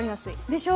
でしょ